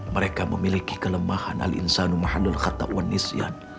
mereka memiliki kelemahan al insanu mahalul khattak wa nisyan